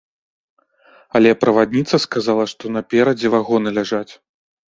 Але правадніца сказала, што наперадзе вагоны ляжаць.